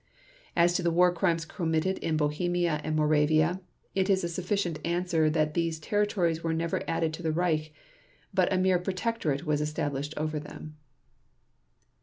As to the War Crimes committed in Bohemia and Moravia, it is a sufficient answer that these territories were never added to the Reich, but a mere protectorate was established over them.